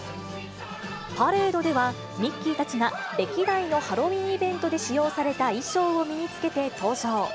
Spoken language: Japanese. パレードでは、ミッキーたちが歴代のハロウィーンイベントで使用された衣装を身につけて登場。